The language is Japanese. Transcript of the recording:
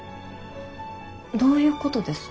どういうことです？